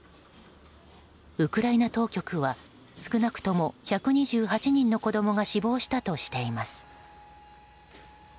ウクライナ当局は少なくとも１２８人の子供が死亡したとしています。